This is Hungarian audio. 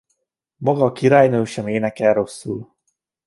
Maga a királynő sem énekel rosszul.